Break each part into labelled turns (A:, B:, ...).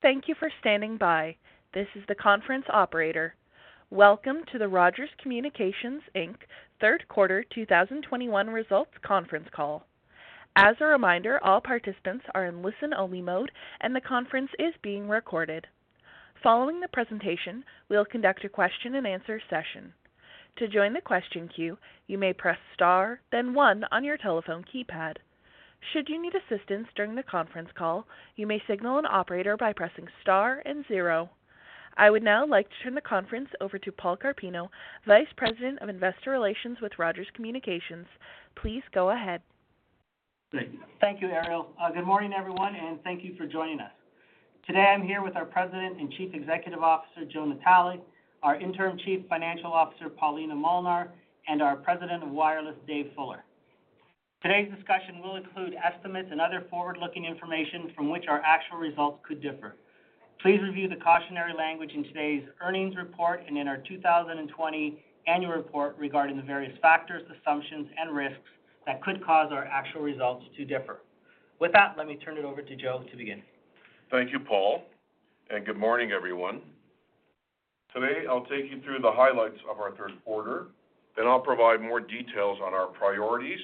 A: Thank you for standing by. This is the conference operator. Welcome to the Rogers Communications Inc. Third Quarter 2021 Results Conference Call. As a reminder, all participants are in listen-only mode, and the conference is being recorded. Following the presentation, we'll conduct a question-and-answer session. To join the question queue, you may press star then one on your telephone keypad. Should you need assistance during the conference call, you may signal an operator by pressing star and zero. I would now like to turn the conference over to Paul Carpino, Vice President of Investor Relations with Rogers Communications. Please go ahead.
B: Thank you, Ariel. Good morning, everyone, and thank you for joining us. Today, I'm here with our President and Chief Executive Officer, Joe Natale, our Interim Chief Financial Officer, Paulina Molnar, and our President of Wireless, Dave Fuller. Today's discussion will include estimates and other forward-looking information from which our actual results could differ. Please review the cautionary language in today's earnings report and in our 2020 annual report regarding the various factors, assumptions, and risks that could cause our actual results to differ. With that, let me turn it over to Joe to begin.
C: Thank you, Paul. Good morning, everyone. Today, I'll take you through the highlights of our third quarter, then I'll provide more details on our priorities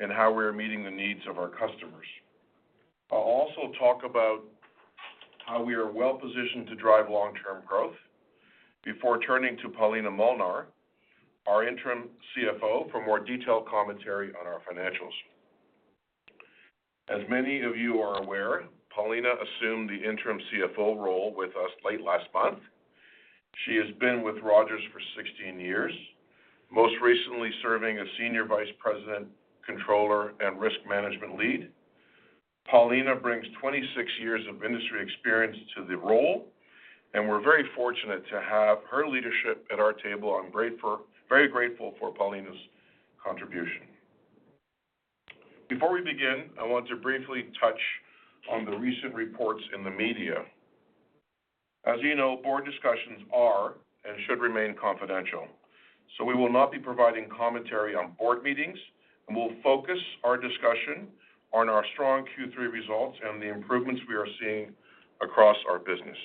C: and how we are meeting the needs of our customers. I'll also talk about how we are well-positioned to drive long-term growth before turning to Paulina Molnar, our interim CFO, for more detailed commentary on our financials. As many of you are aware, Paulina assumed the interim CFO role with us late last month. She has been with Rogers for 16 years, most recently serving as Senior Vice President, Controller, and Risk Management Lead. Paulina brings 26 years of industry experience to the role, and we're very fortunate to have her leadership at our table. I'm very grateful for Paulina's contribution. Before we begin, I want to briefly touch on the recent reports in the media. As you know, board discussions are and should remain confidential. We will not be providing commentary on board meetings, and we'll focus our discussion on our strong Q3 results and the improvements we are seeing across our business.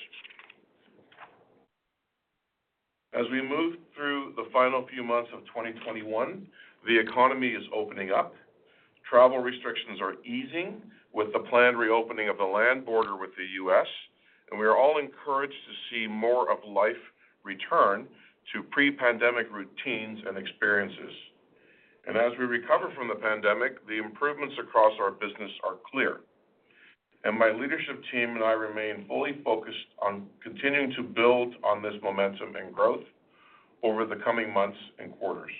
C: As we move through the final few months of 2021, the economy is opening up. Travel restrictions are easing with the planned reopening of the land border with the U.S., and we are all encouraged to see more of life return to pre-pandemic routines and experiences. As we recover from the pandemic, the improvements across our business are clear. My leadership team and I remain fully focused on continuing to build on this momentum and growth over the coming months and quarters.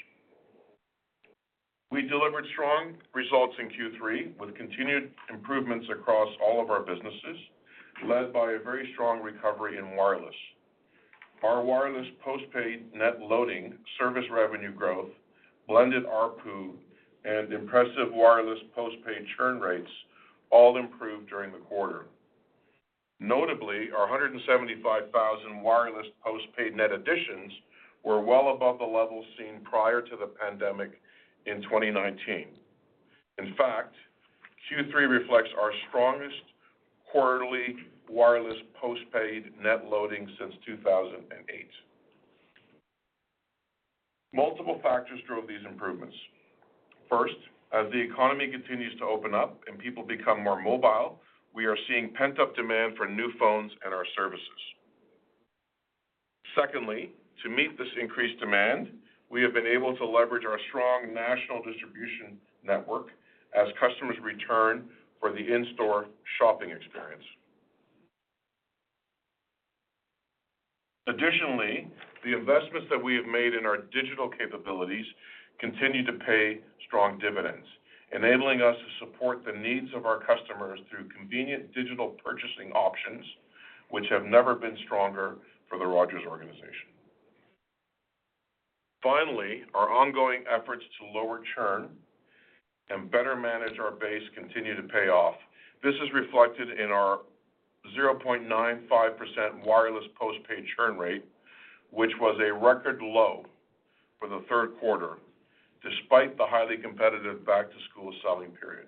C: We delivered strong results in Q3 with continued improvements across all of our businesses, led by a very strong recovery in wireless. Our wireless postpaid net loading, service revenue growth, blended ARPU, and impressive wireless postpaid churn rates all improved during the quarter. Notably, our 175,000 wireless postpaid net additions were well above the levels seen prior to the pandemic in 2019. In fact, Q3 reflects our strongest quarterly wireless postpaid net loading since 2008. Multiple factors drove these improvements. First, as the economy continues to open up and people become more mobile, we are seeing pent-up demand for new phones and our services. Secondly, to meet this increased demand, we have been able to leverage our strong national distribution network as customers return for the in-store shopping experience. Additionally, the investments that we have made in our digital capabilities continue to pay strong dividends, enabling us to support the needs of our customers through convenient digital purchasing options, which have never been stronger for the Rogers organization. Finally, our ongoing efforts to lower churn and better manage our base continue to pay off. This is reflected in our 0.95% wireless postpaid churn rate, which was a record low for the third quarter, despite the highly competitive back-to-school selling period.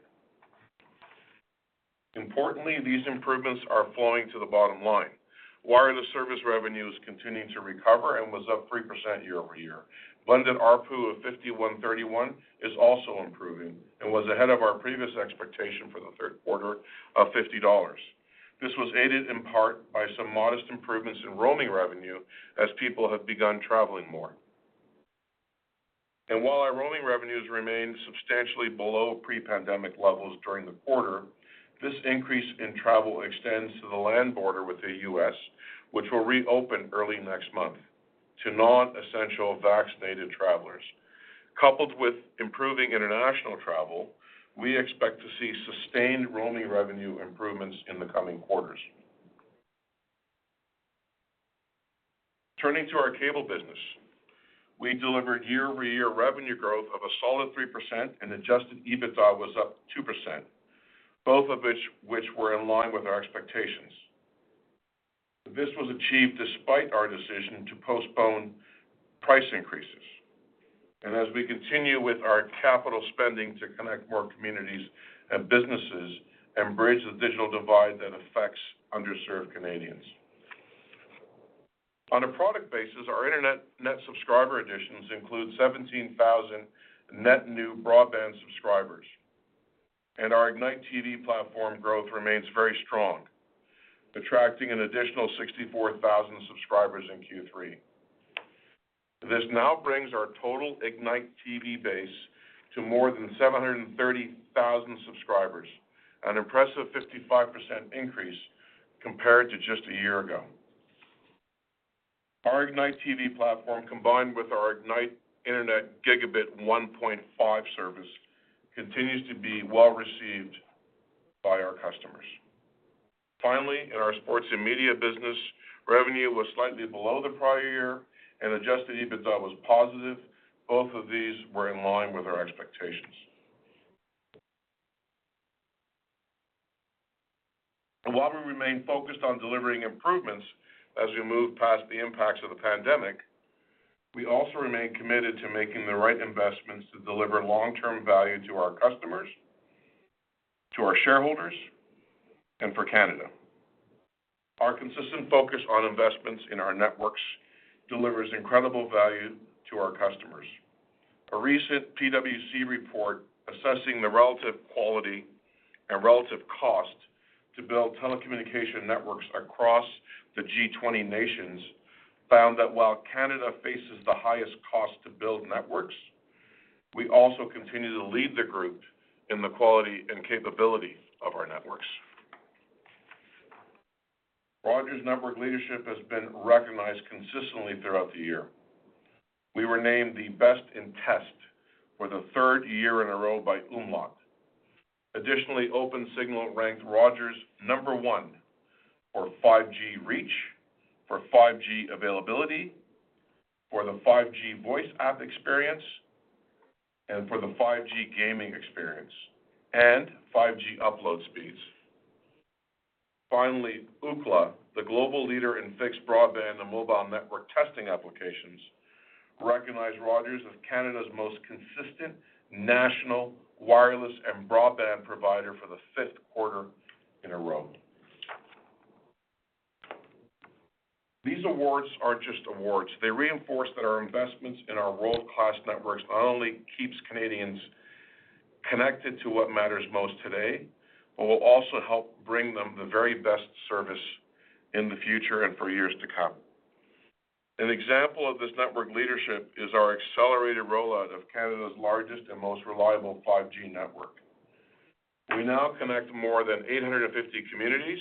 C: Importantly, these improvements are flowing to the bottom line. Wireless service revenue is continuing to recover and was up 3% year-over-year. Blended ARPU of 51.31 is also improving and was ahead of our previous expectation for the third quarter of 50 dollars. This was aided in part by some modest improvements in roaming revenue as people have begun traveling more. While our roaming revenues remain substantially below pre-pandemic levels during the quarter, this increase in travel extends to the land border with the U.S., which will reopen early next month to non-essential vaccinated travelers. Coupled with improving international travel, we expect to see sustained roaming revenue improvements in the coming quarters. Turning to our cable business, we delivered year-over-year revenue growth of a solid 3% and adjusted EBITDA was up 2%, both of which were in line with our expectations. This was achieved despite our decision to postpone price increases, and as we continue with our capital spending to connect more communities and businesses and bridge the digital divide that affects underserved Canadians. On a product basis, our internet net subscriber additions include 17,000 net new broadband subscribers, and our Ignite TV platform growth remains very strong, attracting an additional 64,000 subscribers in Q3. This now brings our total Ignite TV base to more than 730,000 subscribers, an impressive 55% increase compared to just a year ago. Our Ignite TV platform, combined with our Ignite Internet Gigabit 1.5 service, continues to be well-received by our customers. Finally, in our sports and media business, revenue was slightly below the prior year and adjusted EBITDA was positive. Both of these were in line with our expectations. While we remain focused on delivering improvements as we move past the impacts of the pandemic, we also remain committed to making the right investments to deliver long-term value to our customers, to our shareholders, and for Canada. Our consistent focus on investments in our networks delivers incredible value to our customers. A recent PwC report assessing the relative quality and relative cost to build telecommunication networks across the G20 nations found that while Canada faces the highest cost to build networks, we also continue to lead the group in the quality and capability of our networks. Rogers' network leadership has been recognized consistently throughout the year. We were named the best in test for the third year in a row by umlaut. OpenSignal ranked Rogers number one for 5G Reach, for 5G availability, for the 5G voice app experience, and for the 5G gaming experience, and 5G upload speeds. Ookla, the global leader in fixed broadband and mobile network testing applications, recognized Rogers as Canada's most consistent national wireless and broadband provider for the fifth quarter in a row. These awards aren't just awards. They reinforce that our investments in our world-class networks not only keeps Canadians connected to what matters most today, but will also help bring them the very best service in the future and for years to come. An example of this network leadership is our accelerated rollout of Canada's largest and most reliable 5G network. We now connect more than 850 communities,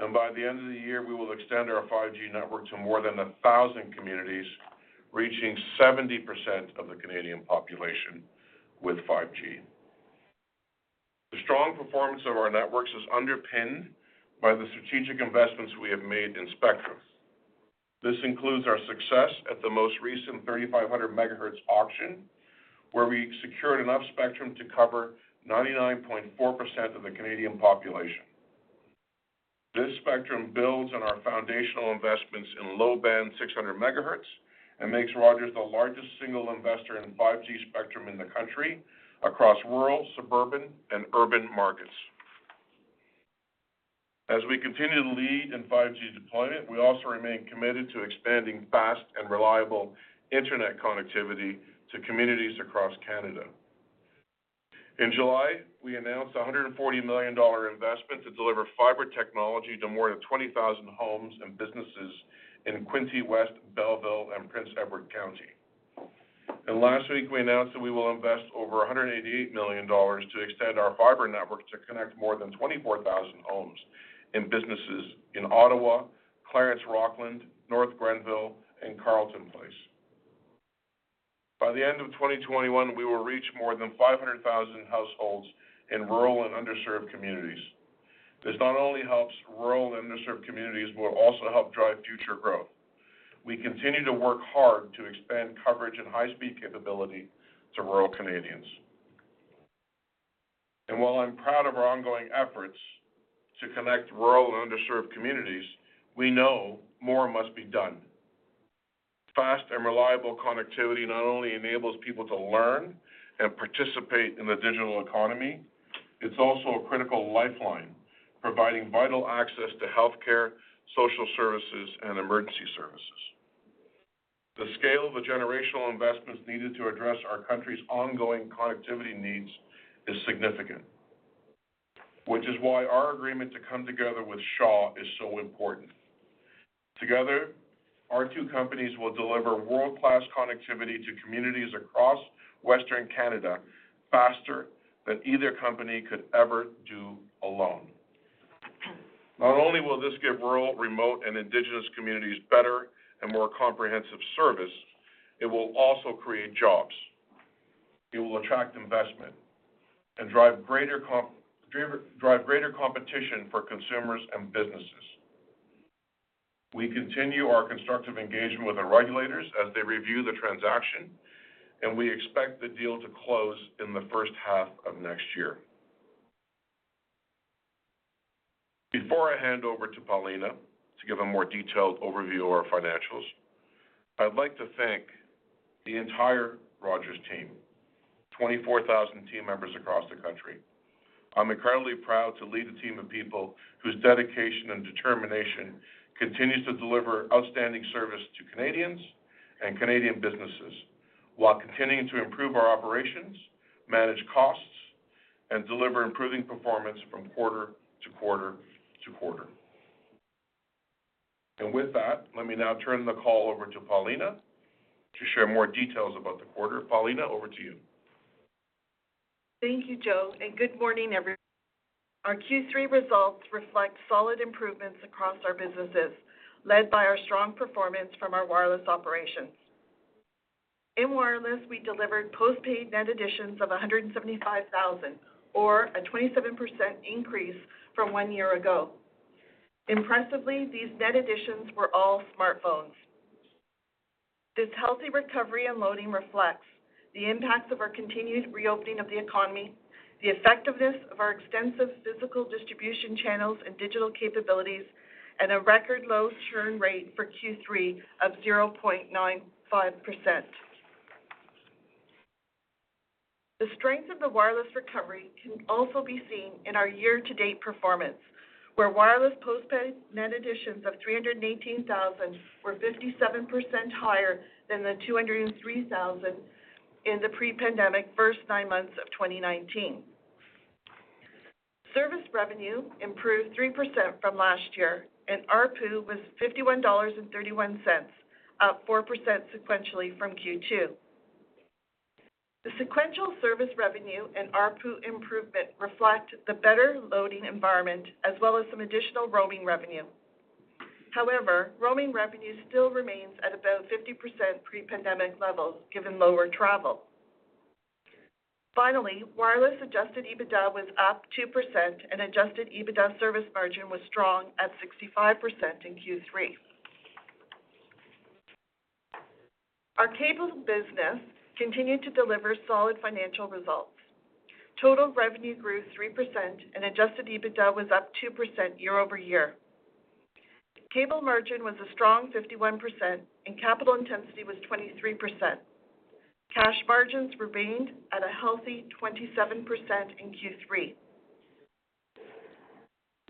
C: and by the end of the year, we will extend our 5G network to more than 1,000 communities, reaching 70% of the Canadian population with 5G. The strong performance of our networks is underpinned by the strategic investments we have made in spectrum. This includes our success at the most recent 3500 MHz auction, where we secured enough spectrum to cover 99.4% of the Canadian population. This spectrum builds on our foundational investments in low-band 600 MHz and makes Rogers the largest single investor in 5G spectrum in the country across rural, suburban, and urban markets. As we continue to lead in 5G deployment, we also remain committed to expanding fast and reliable internet connectivity to communities across Canada. In July, we announced a 140 million dollar investment to deliver fiber technology to more than 20,000 homes and businesses in Quinte West, Belleville, and Prince Edward County. Last week, we announced that we will invest over 188 million dollars to extend our fiber network to connect more than 24,000 homes and businesses in Ottawa, Clarence-Rockland, North Grenville, and Carleton Place. By the end of 2021, we will reach more than 500,000 households in rural and underserved communities. This not only helps rural and underserved communities but will also help drive future growth. We continue to work hard to expand coverage and high-speed capability to rural Canadians. While I'm proud of our ongoing efforts to connect rural and underserved communities, we know more must be done. Fast and reliable connectivity not only enables people to learn and participate in the digital economy, it's also a critical lifeline, providing vital access to healthcare, social services, and emergency services. The scale of the generational investments needed to address our country's ongoing connectivity needs is significant, which is why our agreement to come together with Shaw Communications is so important. Together, our two companies will deliver world-class connectivity to communities across Western Canada faster than either company could ever do alone. Not only will this give rural, remote, and indigenous communities better and more comprehensive service, it will also create jobs. It will attract investment and drive greater competition for consumers and businesses. We continue our constructive engagement with our regulators as they review the transaction. We expect the deal to close in the first half of next year. Before I hand over to Paulina to give a more detailed overview of our financials, I'd like to thank the entire Rogers team, 24,000 team members across the country. I'm incredibly proud to lead a team of people whose dedication and determination continues to deliver outstanding service to Canadians and Canadian businesses while continuing to improve our operations, manage costs, and deliver improving performance from quarter to quarter to quarter. With that, let me now turn the call over to Paulina to share more details about the quarter. Paulina, over to you.
D: Thank you, Joe, and good morning, everyone. Our Q3 results reflect solid improvements across our businesses, led by our strong performance from our wireless operations. In wireless, we delivered postpaid net additions of 175,000 or a 27% increase from one year ago. Impressively, these net additions were all smartphones. This healthy recovery and loading reflects the impacts of our continued reopening of the economy, the effectiveness of our extensive physical distribution channels and digital capabilities, and a record low churn rate for Q3 of 0.95%. The strength of the wireless recovery can also be seen in our year-to-date performance, where wireless postpaid net additions of 318,000 were 57% higher than the 203,000 in the pre-pandemic first nine months of 2019. Service revenue improved 3% from last year, and ARPU was 51.31 dollars, up 4% sequentially from Q2. The sequential service revenue and ARPU improvement reflect the better loading environment as well as some additional roaming revenue. However, roaming revenue still remains at about 50% pre-pandemic levels, given lower travel. Finally, wireless adjusted EBITDA was up 2% and adjusted EBITDA service margin was strong at 65% in Q3. Our cable business continued to deliver solid financial results. Total revenue grew 3% and adjusted EBITDA was up 2% year-over-year. Cable margin was a strong 51% and capital intensity was 23%. Cash margins remained at a healthy 27% in Q3.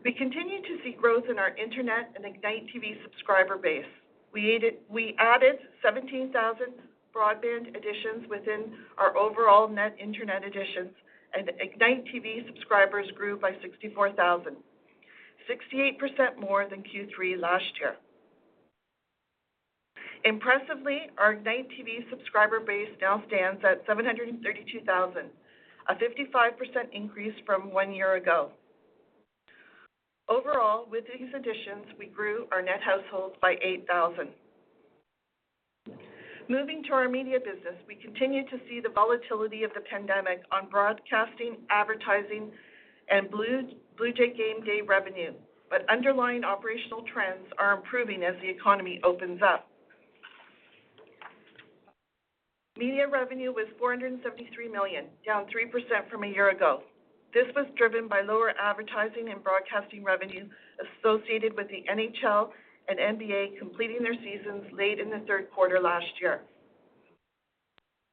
D: We continue to see growth in our internet and Ignite TV subscriber base. We added 17,000 broadband additions within our overall net internet additions, and Ignite TV subscribers grew by 64,000, 68% more than Q3 last year. Impressively, our Ignite TV subscriber base now stands at 732,000, a 55% increase from one year ago. Overall, with these additions, we grew our net households by 8,000. Moving to our media business, we continue to see the volatility of the pandemic on broadcasting, advertising, and Toronto Blue Jay game day revenue. Underlying operational trends are improving as the economy opens up. Media revenue was 473 million, down 3% from a year ago. This was driven by lower advertising and broadcasting revenue associated with the NHL and NBA completing their seasons late in the third quarter last year.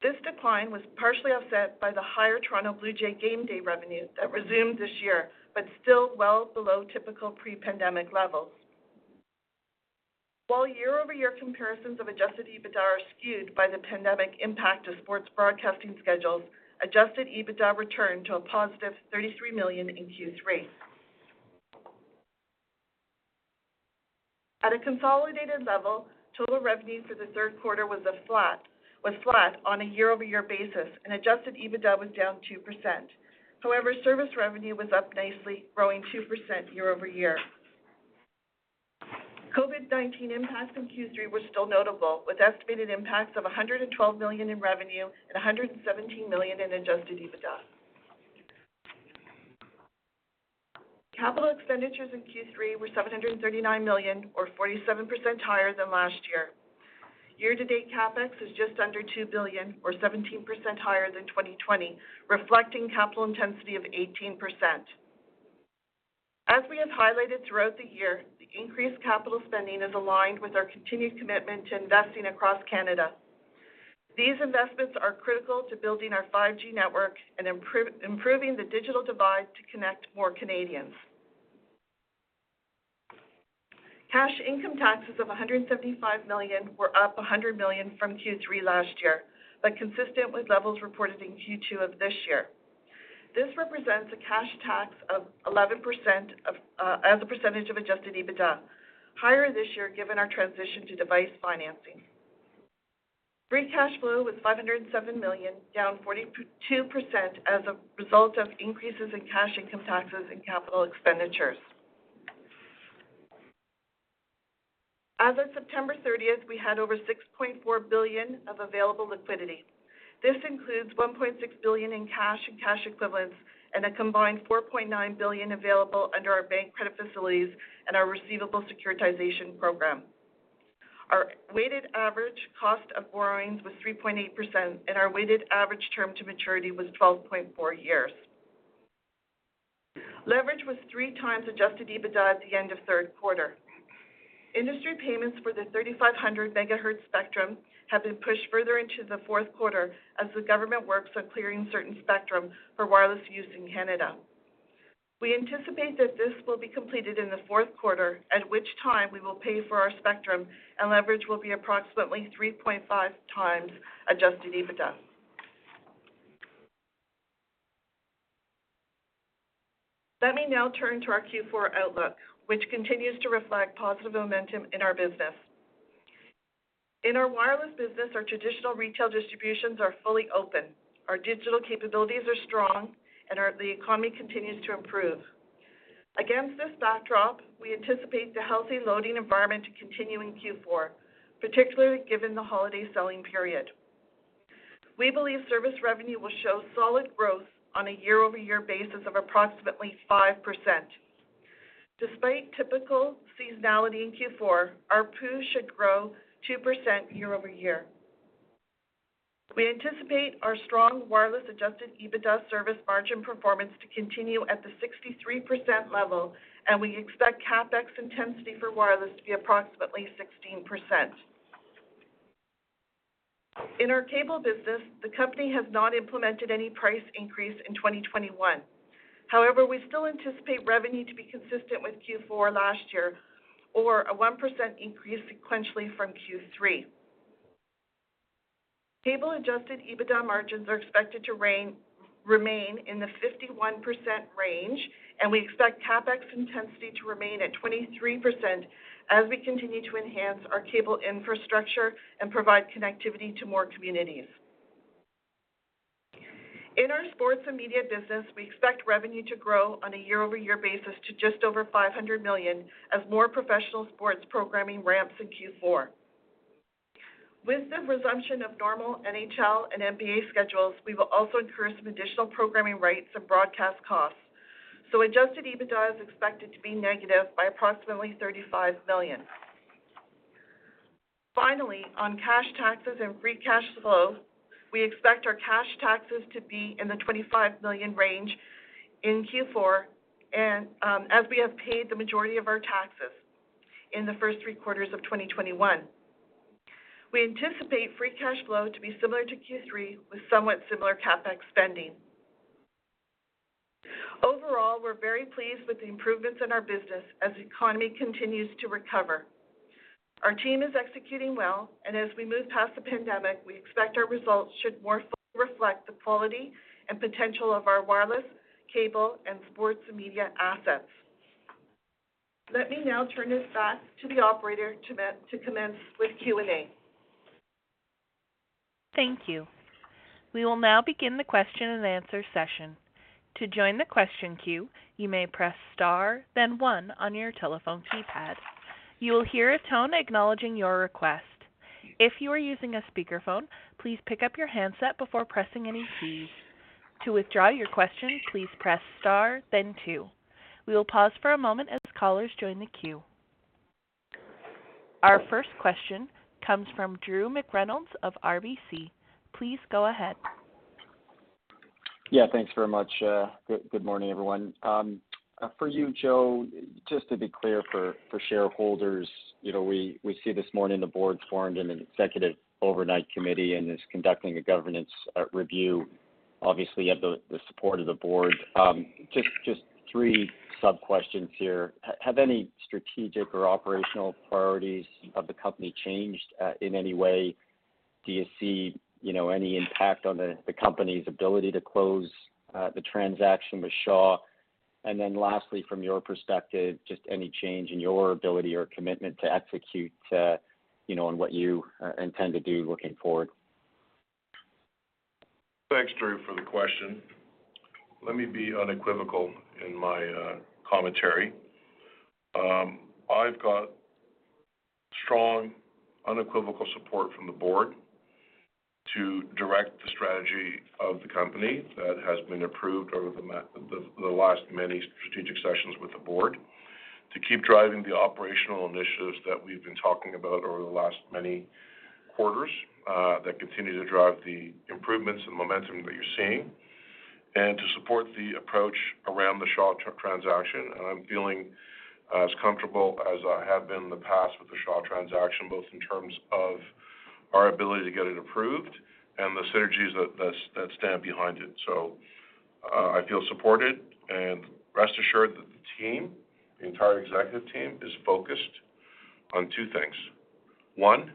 D: This decline was partially offset by the higher Toronto Blue Jay game day revenue that resumed this year, but still well below typical pre-pandemic levels. While year-over-year comparisons of adjusted EBITDA are skewed by the pandemic impact of sports broadcasting schedules, adjusted EBITDA returned to a positive 33 million in Q3. At a consolidated level, total revenue for the third quarter was flat on a year-over-year basis, and adjusted EBITDA was down 2%. However, service revenue was up nicely, growing 2% year-over-year. COVID-19 impacts in Q3 were still notable, with estimated impacts of 112 million in revenue and 117 million in adjusted EBITDA. Capital expenditures in Q3 were 739 million, or 47% higher than last year. Year-to-date CapEx is just under 2 billion, or 17% higher than 2020, reflecting capital intensity of 18%. As we have highlighted throughout the year, the increased capital spending is aligned with our continued commitment to investing across Canada. These investments are critical to building our 5G network and improving the digital divide to connect more Canadians. Cash income taxes of 175 million were up 100 million from Q3 last year, but consistent with levels reported in Q2 of this year. This represents a cash tax of 11% as a percentage of adjusted EBITDA, higher this year given our transition to device financing. Free cash flow was 507 million, down 42% as a result of increases in cash income taxes and capital expenditures. As of September 30th, we had over 6.4 billion of available liquidity. This includes 1.6 billion in cash and cash equivalents and a combined 4.9 billion available under our bank credit facilities and our receivable securitization program. Our weighted average cost of borrowings was 3.8%, and our weighted average term to maturity was 12.4 years. Leverage was three times adjusted EBITDA at the end of third quarter. Industry payments for the 3500 MHz spectrum have been pushed further into the fourth quarter as the government works on clearing certain spectrum for wireless use in Canada. We anticipate that this will be completed in the fourth quarter, at which time we will pay for our spectrum, and leverage will be approximately 3.5x adjusted EBITDA. Let me now turn to our Q4 outlook, which continues to reflect positive momentum in our business. In our wireless business, our traditional retail distributions are fully open. Our digital capabilities are strong, and the economy continues to improve. Against this backdrop, we anticipate the healthy loading environment to continue in Q4, particularly given the holiday selling period. We believe service revenue will show solid growth on a year-over-year basis of approximately 5%. Despite typical seasonality in Q4, our ARPU should grow 2% year-over-year. We anticipate our strong wireless adjusted EBITDA service margin performance to continue at the 63% level, and we expect CapEx intensity for wireless to be approximately 16%. In our cable business, the company has not implemented any price increase in 2021. However, we still anticipate revenue to be consistent with Q4 last year or a 1% increase sequentially from Q3. Cable adjusted EBITDA margins are expected to remain in the 51% range, and we expect CapEx intensity to remain at 23% as we continue to enhance our cable infrastructure and provide connectivity to more communities. In our sports and media business, we expect revenue to grow on a year-over-year basis to just over 500 million as more professional sports programming ramps in Q4. With the resumption of normal NHL and NBA schedules, we will also incur some additional programming rights and broadcast costs. Adjusted EBITDA is expected to be negative by approximately 35 million. Finally, on cash taxes and free cash flow, we expect our cash taxes to be in the 25 million range in Q4, as we have paid the majority of our taxes in the first three quarters of 2021. We anticipate free cash flow to be similar to Q3 with somewhat similar CapEx spending. Overall, we're very pleased with the improvements in our business as the economy continues to recover. Our team is executing well, and as we move past the pandemic, we expect our results should more fully reflect the quality and potential of our wireless, cable, and sports and media assets. Let me now turn this back to the operator to commence with Q&A.
A: Thank you. We will now begin the question and answer session. To join the question queue, you may press star then one on your telephone keypad. You will hear a tone acknowledging your request. If you are using a speakerphone, please pick up your handset before pressing any keys. To withdraw your question, please press star then two. We will pause for a moment as callers join the queue. Our first question comes from Drew McReynolds of RBC Capital Markets. Please go ahead.
E: Yeah, thanks very much. Good morning, everyone. For you, Joe, just to be clear for shareholders, we see this morning the board formed an executive oversight committee and is conducting a governance review, obviously you have the support of the board. Just three sub-questions here. Have any strategic or operational priorities of the company changed in any way? Do you see any impact on the company's ability to close the transaction with Shaw Communications? Lastly, from your perspective, just any change in your ability or commitment to execute on what you intend to do looking forward?
C: Thanks, Drew, for the question. Let me be unequivocal in my commentary. I've got strong, unequivocal support from the board to direct the strategy of the company that has been approved over the last many strategic sessions with the board to keep driving the operational initiatives that we've been talking about over the last many quarters that continue to drive the improvements and momentum that you're seeing, and to support the approach around the Shaw Communications transaction. I'm feeling as comfortable as I have been in the past with the Shaw Communications transaction, both in terms of our ability to get it approved and the synergies that stand behind it. I feel supported, and rest assured that the team, the entire executive team, is focused on two things. One,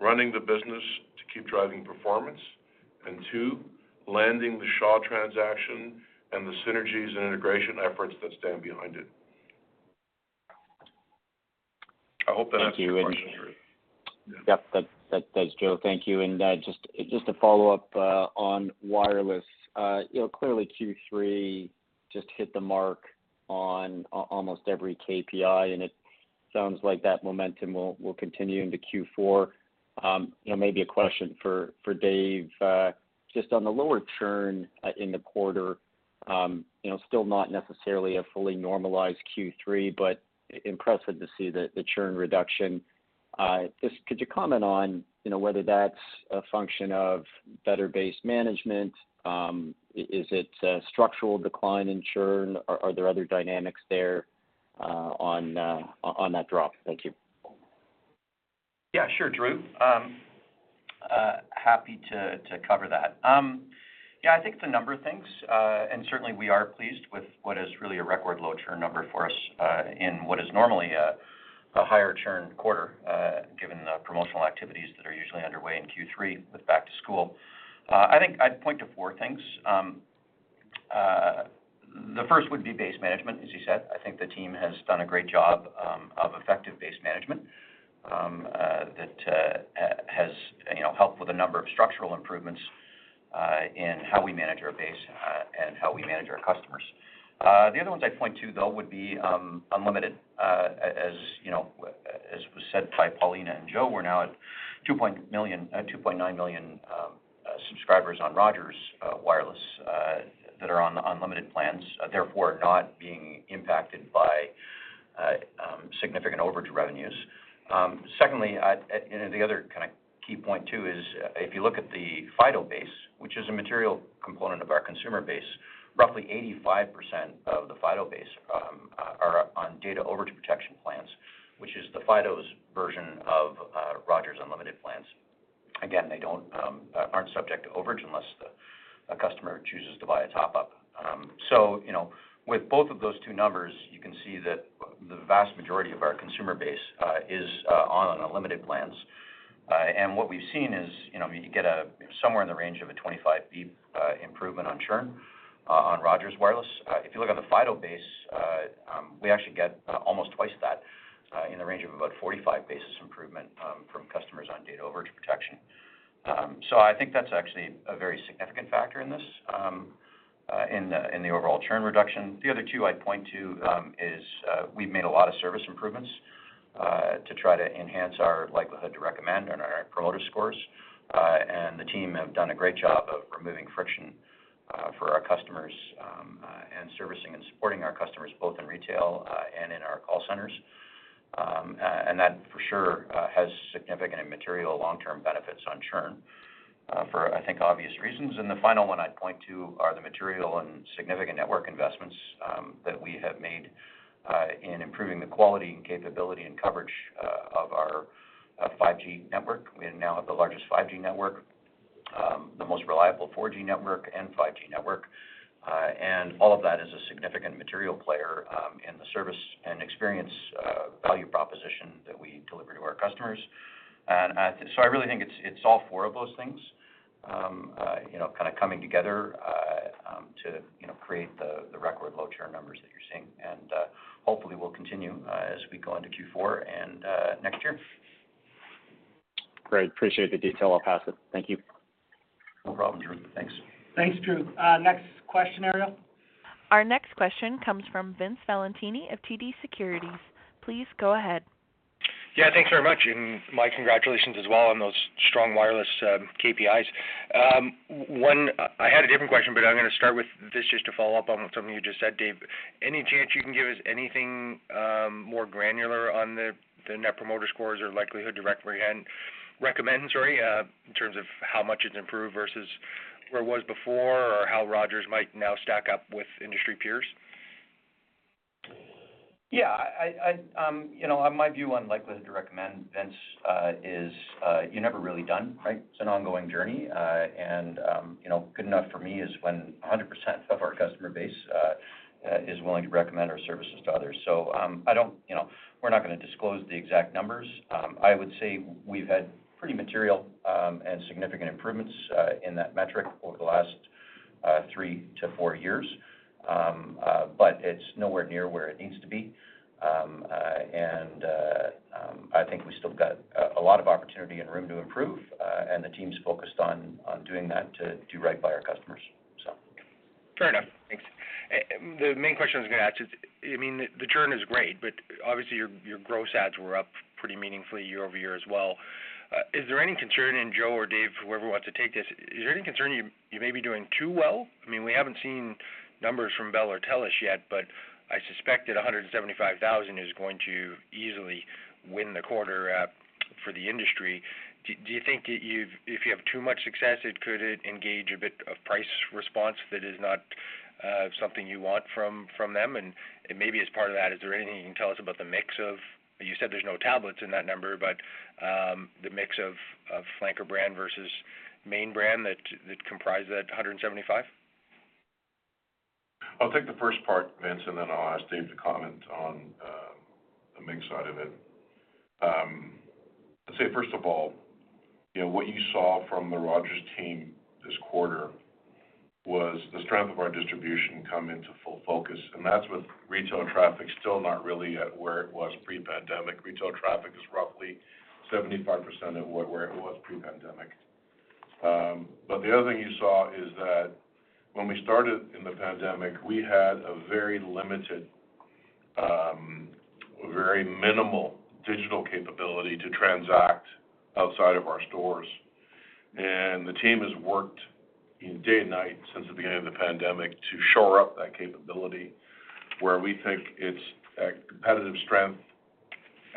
C: running the business to keep driving performance. Two, landing the Shaw transaction and the synergies and integration efforts that stand behind it. I hope that answers your question, Drew.
E: Yep. That does, Joe. Thank you. Just a follow-up, on wireless. Clearly, Q3 just hit the mark on almost every KPI. Sounds like that momentum will continue into Q4. Maybe a question for Dave, just on the lower churn in the quarter. Still not necessarily a fully normalized Q3. Impressive to see the churn reduction. Could you comment on whether that's a function of better base management? Is it a structural decline in churn? Are there other dynamics there on that drop? Thank you.
F: Sure, Drew. Happy to cover that. I think it's a number of things, and certainly, we are pleased with what is really a record low churn number for us in what is normally a higher churn quarter, given the promotional activities that are usually underway in Q3 with back to school. I think I'd point to four things. The first would be base management, as you said. I think the team has done a great job of effective base management that has helped with a number of structural improvements in how we manage our base and how we manage our customers. The other ones I'd point to, though, would be unlimited. As was said by Paulina and Joe, we're now at 2.9 million subscribers on Rogers Wireless that are on unlimited plans, therefore not being impacted by significant overage revenues. The other kind of key point, too, is if you look at the Fido base, which is a material component of our consumer base, roughly 85% of the Fido base are on data overage protection plans, which is Fido's version of Rogers' unlimited plans. They aren't subject to overage unless the customer chooses to buy a top-up. With both of those two numbers, you can see that the vast majority of our consumer base is on unlimited plans. What we've seen is you can get somewhere in the range of a 25 bp improvement on churn on Rogers Wireless. If you look on the Fido base, we actually get almost twice that, in the range of about 45 basis improvement from customers on data overage protection. I think that's actually a very significant factor in this, in the overall churn reduction. The other two I'd point to is we've made a lot of service improvements to try to enhance our likelihood to recommend and our promoter scores. The team have done a great job of removing friction for our customers and servicing and supporting our customers, both in retail and in our call centers. That for sure, has significant and material long-term benefits on churn for, I think, obvious reasons. The final one I'd point to are the material and significant network investments that we have made in improving the quality and capability and coverage of our 5G network. We now have the largest 5G network, the most reliable 4G network and 5G network. All of that is a significant material player in the service and experience value proposition that we deliver to our customers. I really think it's all four of those things kind of coming together to create the record low churn numbers that you're seeing. Hopefully will continue as we go into Q4 and next year.
E: Great. Appreciate the detail. I'll pass it. Thank you.
F: No problem, Drew. Thanks.
B: Thanks, Drew. Next question, Ariel.
A: Our next question comes from Vince Valentini of TD Securities. Please go ahead.
G: Yeah, thanks very much, and my congratulations as well on those strong wireless KPIs. I had a different question, but I'm going to start with this just to follow up on something you just said, Dave. Any chance you can give us anything more granular on the net promoter scores or likelihood to recommend, sorry, in terms of how much it's improved versus where it was before, or how Rogers might now stack up with industry peers?
F: Yeah. My view on likelihood to recommend, Vince, is you're never really done, right? It's an ongoing journey. Good enough for me is when 100% of our customer base is willing to recommend our services to others. We're not going to disclose the exact numbers. I would say we've had pretty material and significant improvements in that metric over the last three to four years. It's nowhere near where it needs to be. I think we still got a lot of opportunity and room to improve. The team's focused on doing that to do right by our customers.
G: Fair enough. Thanks. The main question I was going to ask is, the churn is great, but obviously your gross adds were up pretty meaningfully year-over-year as well. Is there any concern, and Joe or Dave, whoever wants to take this, is there any concern you may be doing too well? We haven't seen numbers from Bell or Telus yet. I suspect that 175,000 is going to easily win the quarter for the industry. Do you think that if you have too much success, could it engage a bit of price response that is not something you want from them? Maybe as part of that, is there anything you can tell us about the mix of, you said there's no tablets in that number, but the mix of flanker brand versus main brand that comprise that 175,000?
C: I'll take the first part, Vince, and then I'll ask Dave to comment on the mix side of it. I'd say, first of all, what you saw from the Rogers team this quarter was the strength of our distribution come into full focus, and that's with retail traffic still not really at where it was pre-pandemic. Retail traffic is roughly 75% of where it was pre-pandemic. The other thing you saw is that when we started in the pandemic, we had a very limited, very minimal digital capability to transact outside of our stores. The team has worked day and night since the beginning of the pandemic to shore up that capability where we think it's at competitive strength,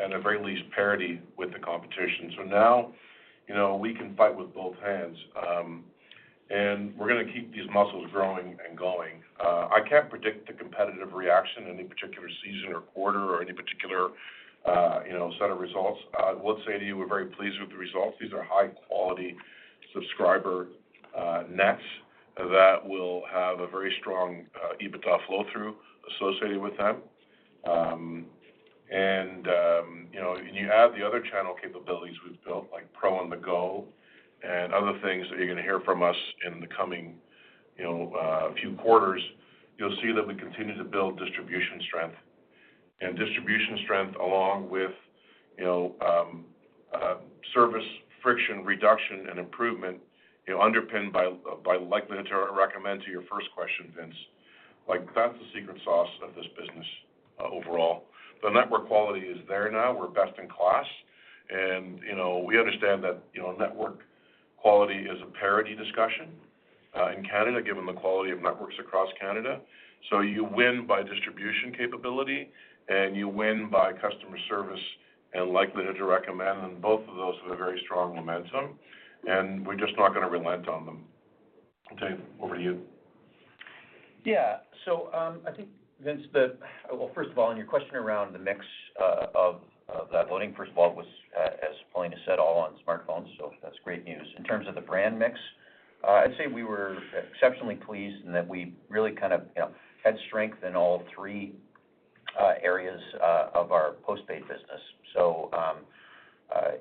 C: at the very least parity with the competition. Now, we can fight with both hands. We're going to keep these muscles growing and going. I can't predict the competitive reaction any particular season or quarter or any particular set of results. I will say to you, we're very pleased with the results. These are high-quality subscriber nets that will have a very strong EBITDA flow-through associated with them. You add the other channel capabilities we've built, like Pro On-The-Go, and other things that you're going to hear from us in the coming few quarters, you'll see that we continue to build distribution strength. Distribution strength along with service friction reduction and improvement, underpinned by likelihood to recommend to your first question, Vince. That's the secret sauce of this business overall. The network quality is there now. We're best in class. We understand that network quality is a parity discussion in Canada, given the quality of networks across Canada. You win by distribution capability, and you win by customer service and likelihood to recommend, and both of those have a very strong momentum, and we're just not going to relent on them. Dave, over to you.
F: Yeah. I think, Vince, first of all, on your question around the mix of that loading, first of all, it was, as Paulina said, all on smartphones. That's great news. In terms of the brand mix, I'd say we were exceptionally pleased and that we really had strength in all three areas of our postpaid business.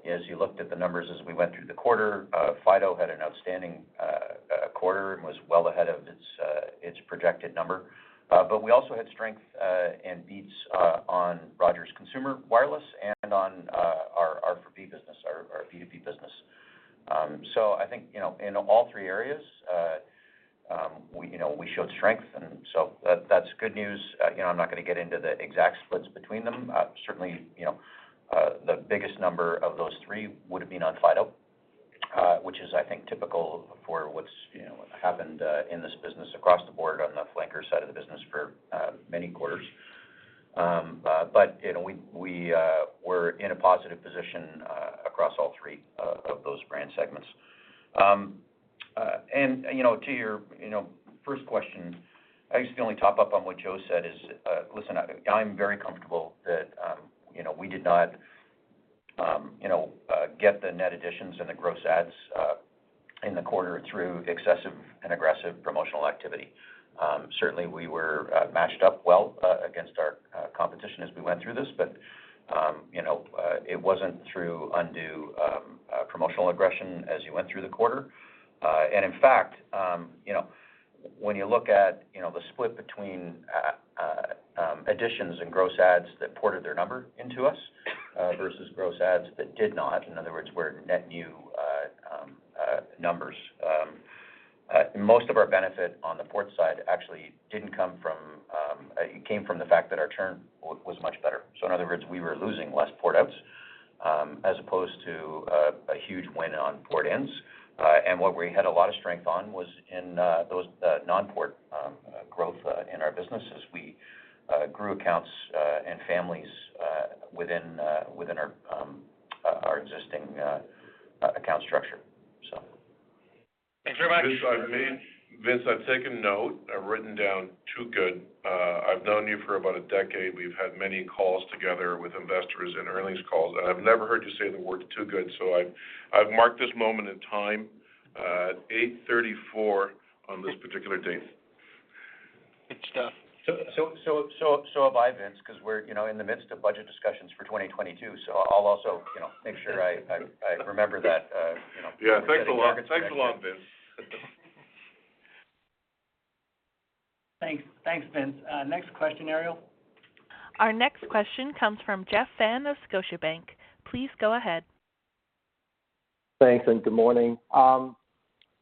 F: As you looked at the numbers as we went through the quarter, Fido had an outstanding quarter and was well ahead of its projected number. We also had strength and beats on Rogers Wireless and on our B2B business. I think, in all three areas, we showed strength. That's good news. I'm not going to get into the exact splits between them. Certainly, the biggest number of those three would've been on Fido, which is, I think, typical for what's happened in this business across the board on the flanker side of the business for many quarters. We were in a positive position across all three of those brand segments. To your first question, I just can only top up on what Joe said is, listen, I'm very comfortable that we did not get the net additions and the gross adds in the quarter through excessive and aggressive promotional activity. Certainly, we were matched up well against our competition as we went through this, but it wasn't through undue promotional aggression as you went through the quarter. In fact, when you look at the split between additions and gross adds that ported their number into us versus gross adds that did not, in other words, were net new numbers. Most of our benefit on the port side actually came from the fact that our churn was much better. In other words, we were losing less port outs as opposed to a huge win on port ins. What we had a lot of strength on was in those non-port growth in our business as we grew accounts and families within our existing account structure.
G: Thanks very much.
C: Vince, I've taken note. I've written down, "Too good." I've known you for about a decade. We've had many calls together with investors and earnings calls, and I've never heard you say the words, "Too good." I've marked this moment in time, 8:34 A.M on this particular date.
G: It's done.
F: Have I, Vince, because we're in the midst of budget discussions for 2022. I'll also make sure I remember that.
C: Yeah. Thanks a lot, Vince.
B: Thanks, Vince. Next question, Ariel.
A: Our next question comes from Jeff Fan of Scotiabank. Please go ahead.
H: Thanks, good morning.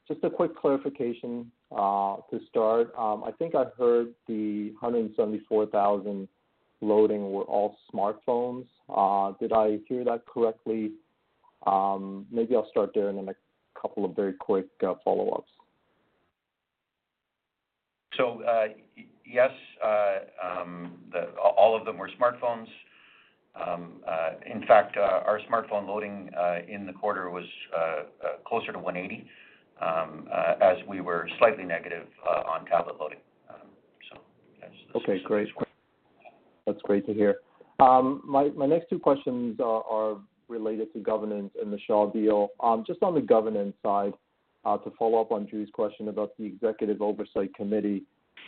H: Just a quick clarification to start. I think I heard the 174,000 loading were all smartphones. Did I hear that correctly? Maybe I'll start there and then a couple of very quick follow-ups.
F: Yes, all of them were smartphones. In fact, our smartphone loading in the quarter was closer to 180,000 as we were slightly negative on tablet loading.
H: Okay, great. That's great to hear. My next two questions are related to governance and the Shaw deal. Just on the governance side, to follow up on Drew's question about the executive oversight committee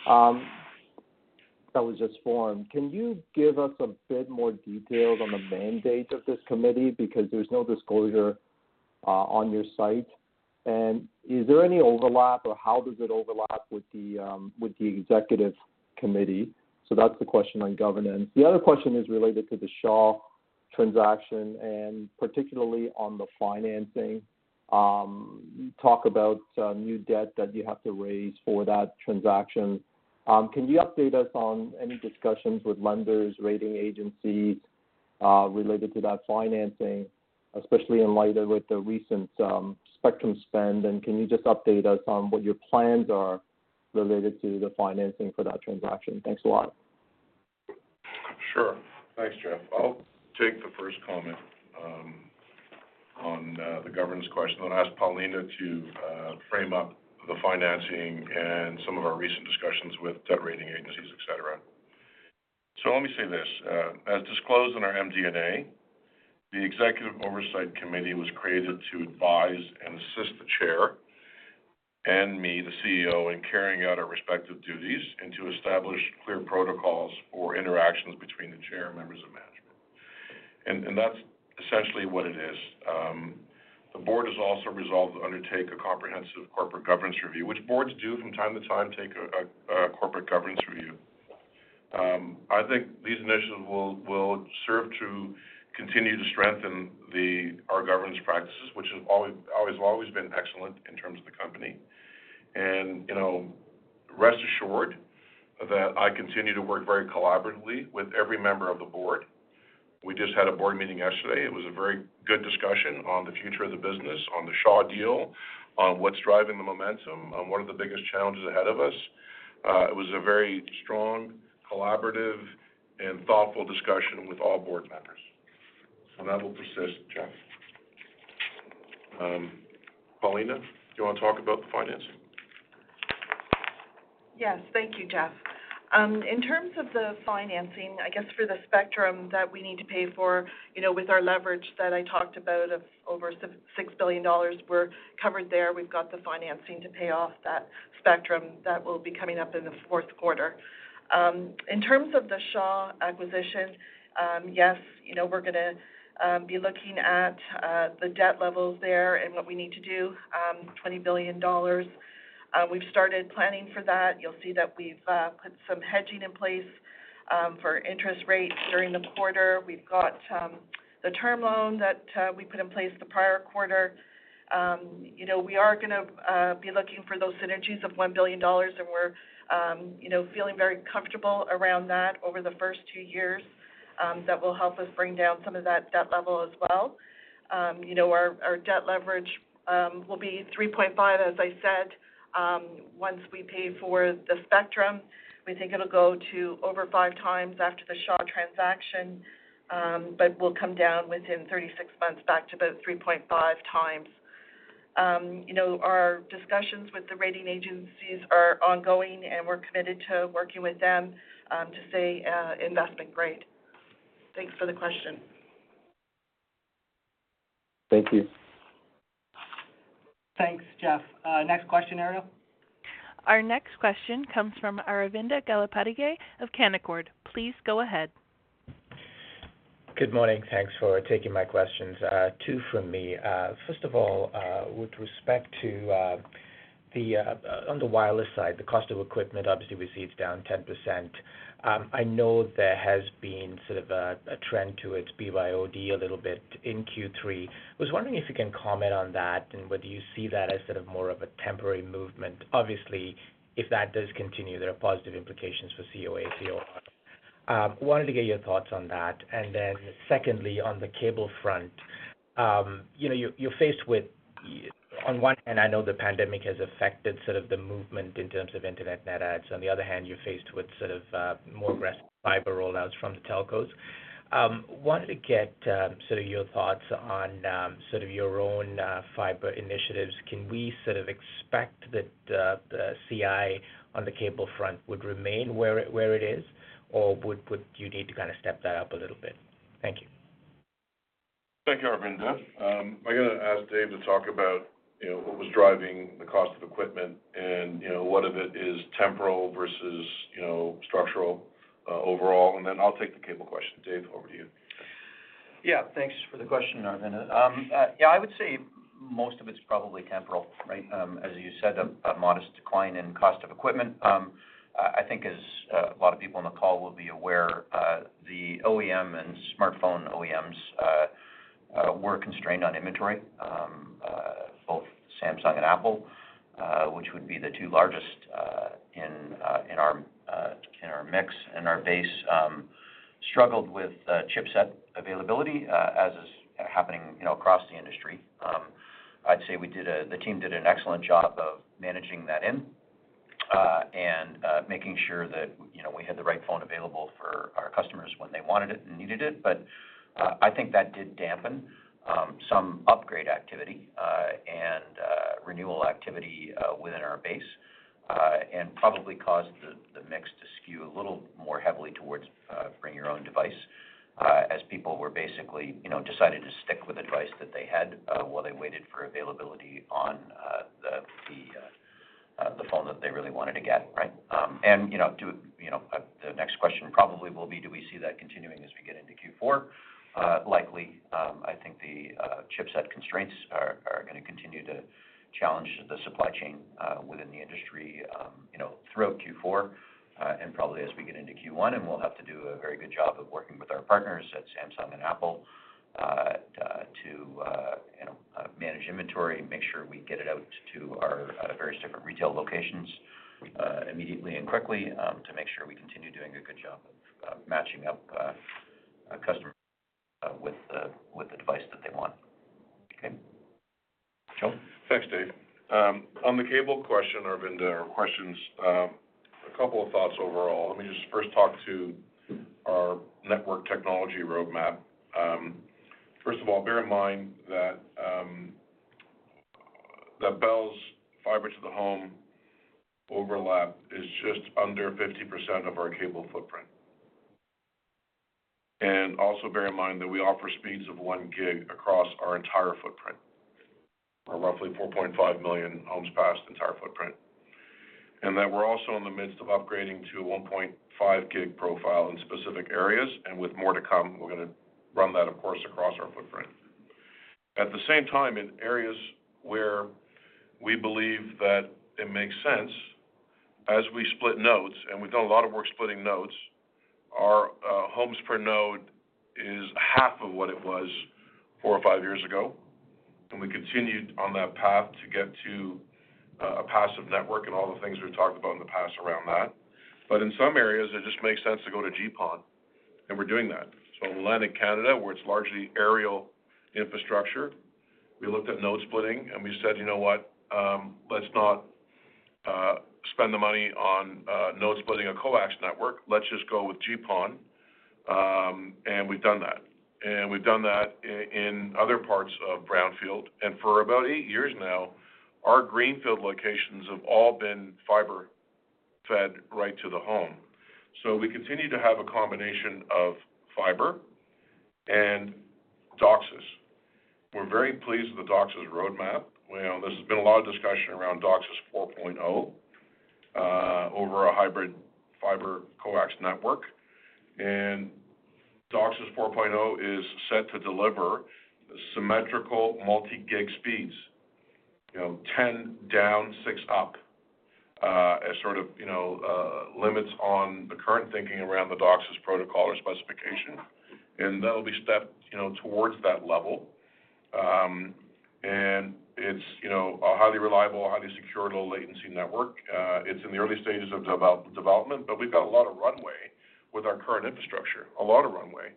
H: that was just formed, can you give us a bit more details on the mandate of this committee? Because there's no disclosure on your site. Is there any overlap, or how does it overlap with the executive committee? That's the question on governance. The other question is related to the Shaw Communications transaction and particularly on the financing. You talk about new debt that you have to raise for that transaction. Can you update us on any discussions with lenders, rating agencies related to that financing, especially in light with the recent spectrum spend? Can you just update us on what your plans are related to the financing for that transaction? Thanks a lot.
C: Sure. Thanks, Jeff. I'll take the first comment on the governance question and ask Paulina to frame up the financing and some of our recent discussions with debt rating agencies, et cetera. Let me say this. As disclosed in our MD&A, the executive oversight committee was created to advise and assist the chair and me, the CEO, in carrying out our respective duties and to establish clear protocols for interactions between the chair and members of management. That's essentially what it is. The board has also resolved to undertake a comprehensive corporate governance review, which boards do from time to time take a corporate governance review. I think these initiatives will serve to continue to strengthen our governance practices, which have always been excellent in terms of the company. Rest assured that I continue to work very collaboratively with every member of the board. We just had a board meeting yesterday. It was a very good discussion on the future of the business, on the Shaw deal, on what's driving the momentum, on what are the biggest challenges ahead of us. It was a very strong, collaborative, and thoughtful discussion with all board members. That will persist, Jeff. Paulina, do you want to talk about the financing?
D: Yes. Thank you, Jeff. In terms of the financing, I guess for the spectrum that we need to pay for with our leverage that I talked about of over 6 billion dollars, we're covered there. We've got the financing to pay off that spectrum that will be coming up in the fourth quarter. In terms of the Shaw acquisition, yes, we're going to be looking at the debt levels there and what we need to do, 20 billion dollars. We've started planning for that. You'll see that we've put some hedging in place for interest rates during the quarter. We've got the term loan that we put in place the prior quarter. We are going to be looking for those synergies of 1 billion dollars, and we're feeling very comfortable around that over the first two years. That will help us bring down some of that debt level as well. Our debt leverage will be 3.5x, as I said. Once we pay for the spectrum, we think it'll go to over 5x after the Shaw transaction. We'll come down within 36 months back to about 3.5x. Our discussions with the rating agencies are ongoing, and we're committed to working with them to see investment grade. Thanks for the question.
H: Thank you.
B: Thanks, Jeff. Next question, Ariel.
A: Our next question comes from Aravinda Galappatthige of Canaccord Genuity. Please go ahead.
I: Good morning. Thanks for taking my questions. Two from me. First of all, with respect to on the wireless side, the cost of equipment, obviously we see it's down 10%. I know there has been sort of a trend towards BYOD a little bit in Q3. I was wondering if you can comment on that and whether you see that as sort of more of a temporary movement. Obviously, if that does continue, there are positive implications for COA, COR. Wanted to get your thoughts on that. Then secondly, on the cable front. You're faced with on one hand, I know the pandemic has affected sort of the movement in terms of Internet net adds. On the other hand, you're faced with sort of more aggressive fiber rollouts from the telcos. Wanted to get sort of your thoughts on sort of your own fiber initiatives. Can we sort of expect that the CI on the cable front would remain where it is, or would you need to kind of step that up a little bit? Thank you.
C: Thank you, Aravinda. I'm going to ask Dave to talk about what was driving the cost of equipment and what of it is temporal versus structural overall. Then I'll take the cable question. Dave, over to you.
F: Yeah. Thanks for the question, Aravinda Galappatthige. Yeah, I would say most of it's probably temporal, right? As you said, a modest decline in cost of equipment. I think as a lot of people on the call will be aware, the OEM and smartphone OEMs were constrained on inventory. Both Samsung and Apple, which would be the two largest in our mix, in our base, struggled with chipset availability as is happening across the industry. I'd say the team did an excellent job of managing that in and making sure that we had the right phone available for our customers when they wanted it and needed it. I think that did dampen some upgrade activity and renewal activity within our base and probably caused the mix to skew a little more heavily towards bring your own device as people were basically decided to stick with a device that they had while they waited for availability on the phone that they really wanted to get, right? The next question probably will be, do we see that continuing as we get into Q4? Likely. I think the chipset constraints are going to continue to challenge the supply chain within the industry throughout Q4 and probably as we get into Q1. We'll have to do a very good job of working with our partners at Samsung and Apple to manage inventory, make sure we get it out to our various different retail locations immediately and quickly to make sure we continue doing a good job of matching up customers with the device that they want. Okay. Joe?
C: Thanks, Dave. On the cable question, Aravinda, or questions, a couple of thoughts overall. Let me just first talk to our network technology roadmap. First of all, bear in mind that Bell's fiber to the home overlap is just under 50% of our cable footprint. Also bear in mind that we offer speeds of one gig across our entire footprint, our roughly 4.5 million homes passed entire footprint. That we're also in the midst of upgrading to a 1.5 Gbps profile in specific areas and with more to come. We're going to run that, of course, across our footprint. At the same time, in areas where we believe that it makes sense, as we split nodes, and we've done a lot of work splitting nodes, our homes per node is half of what it was four or five years ago. We continued on that path to get to a passive network and all the things we've talked about in the past around that. In some areas, it just makes sense to go to GPON, and we're doing that. In Atlantic Canada, where it's largely aerial infrastructure, we looked at node splitting and we said, "You know what? Let's not spend the money on node splitting a coax network. Let's just go with GPON." We've done that. We've done that in other parts of brownfield. For about eight years now, our greenfield locations have all been fiber fed right to the home. We continue to have a combination of fiber and DOCSIS. We're very pleased with the DOCSIS roadmap. There's been a lot of discussion around DOCSIS 4.0 over a hybrid fiber coax network. DOCSIS 4.0 is set to deliver symmetrical multi-gig speeds. 10 down, six up, as sort of limits on the current thinking around the DOCSIS protocol or specification. That'll be stepped towards that level. It's a highly reliable, highly secure, low latency network. It's in the early stages of development, but we've got a lot of runway with our current infrastructure. A lot of runway.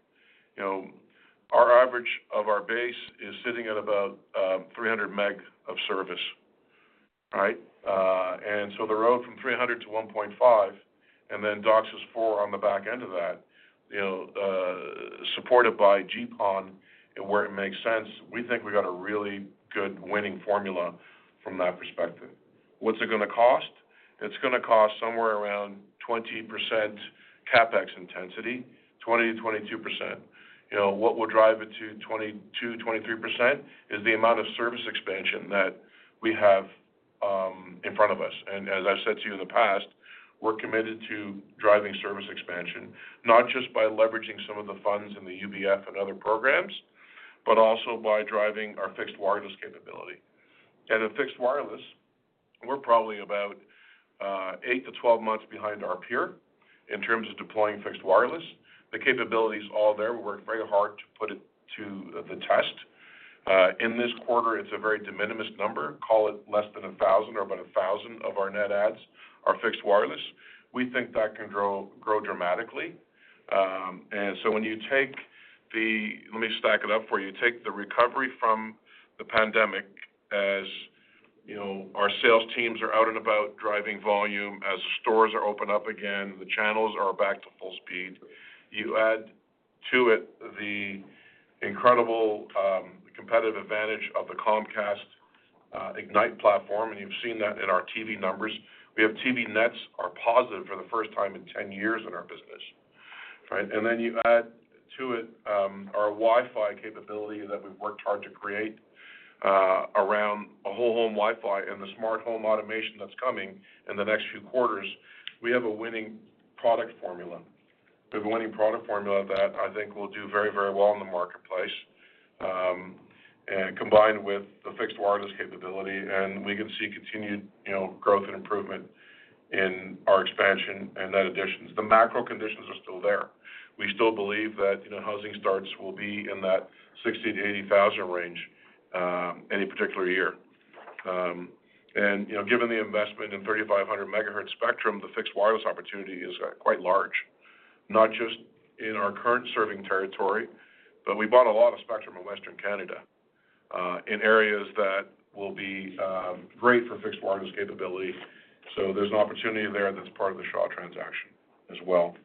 C: Our average of our base is sitting at about 300 meg of service. Right? The road from 300 to 1.5, and then DOCSIS 4 on the back end of that, supported by GPON where it makes sense, we think we've got a really good winning formula from that perspective. What's it going to cost? It's going to cost somewhere around 20% CapEx intensity, 20%-22%. What will drive it to 22%-23% is the amount of service expansion that we have in front of us. As I've said to you in the past, we're committed to driving service expansion, not just by leveraging some of the funds in the UBF and other programs, but also by driving our fixed wireless capability. In fixed wireless, we're probably about 8-12 months behind our peer in terms of deploying fixed wireless. The capability's all there. We worked very hard to put it to the test. In this quarter, it's a very de minimis number. Call it less than 1,000 or about 1,000 of our net adds are fixed wireless. We think that can grow dramatically. Let me stack it up for you. Take the recovery from the pandemic, as our sales teams are out and about driving volume, as stores are open up again, the channels are back to full speed. You add to it the incredible competitive advantage of the Comcast Ignite platform, you've seen that in our TV numbers. We have TV nets are positive for the first time in 10 years in our business, right? You add to it our Wi-Fi capability that we've worked hard to create around a whole home Wi-Fi and the smart home automation that's coming in the next few quarters. We have a winning product formula. We have a winning product formula that I think will do very well in the marketplace. Combined with the fixed wireless capability, we can see continued growth and improvement in our expansion and net additions. The macro conditions are still there. We still believe that housing starts will be in that 60,000-80,000 range any particular year. Given the investment in 3500 MHz spectrum, the fixed wireless opportunity is quite large, not just in our current serving territory, but we bought a lot of spectrum in Western Canada in areas that will be great for fixed wireless capability. There's an opportunity there that's part of the Shaw Communications transaction as well.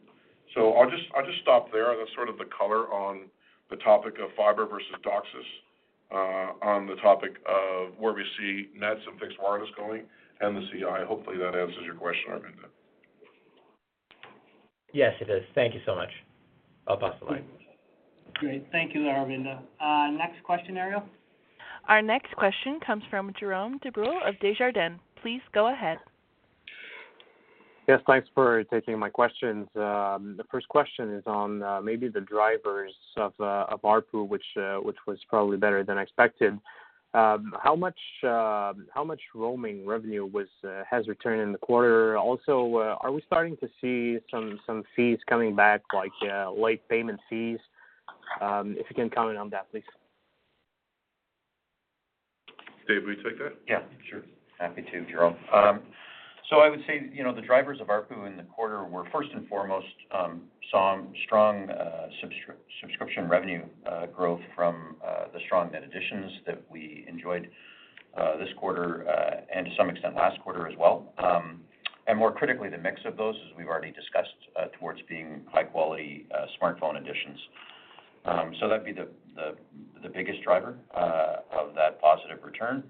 C: I'll just stop there. That's sort of the color on the topic of fiber versus DOCSIS, on the topic of where we see nets and fixed wireless going and the CI. Hopefully, that answers your question, Aravinda Galappatthige.
I: Yes, it does. Thank you so much. I'll pass the line.
B: Great. Thank you, Aravinda. Next question, Ariel.
A: Our next question comes Jérome Dubreuil of Desjardins. Please go ahead.
J: Yes, thanks for taking my questions. The first question is on maybe the drivers of ARPU, which was probably better than expected. How much roaming revenue has returned in the quarter? Are we starting to see some fees coming back, like late payment fees? If you can comment on that, please.
C: Dave, will you take that?
F: Yeah, sure. Happy to, Jérome Dubreuil. I would say, the drivers of ARPU in the quarter were first and foremost, strong subscription revenue growth from the strong net additions that we enjoyed this quarter and to some extent last quarter as well. More critically, the mix of those, as we've already discussed, towards being high-quality smartphone additions. That'd be the biggest driver of that positive return.